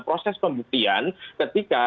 proses pembuktian ketika